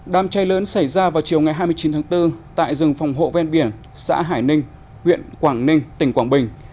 đám cháy lớn xảy ra vào chiều ngày hai mươi chín tháng bốn tại rừng phòng hộ ven biển xã hải ninh huyện quảng ninh tỉnh quảng bình